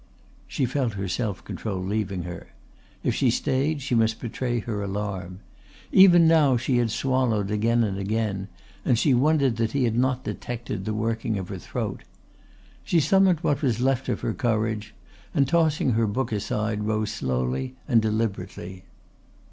She felt her self control leaving her. If she stayed she must betray her alarm. Even now she had swallowed again and again, and she wondered that he had not detected the working of her throat. She summoned what was left of her courage and tossing her book aside rose slowly and deliberately.